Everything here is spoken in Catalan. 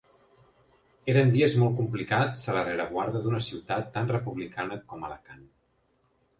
Eren dies molt complicats a la rereguarda d’una ciutat tan republicana com Alacant.